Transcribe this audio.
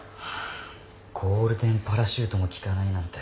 ゴールデンパラシュートもきかないなんて。